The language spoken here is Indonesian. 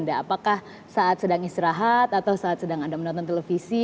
apakah saat sedang istirahat atau saat sedang anda menonton televisi